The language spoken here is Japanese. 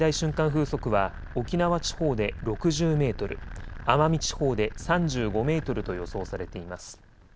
風速は沖縄地方で６０メートル、奄美地方で３５メートルと予想されています。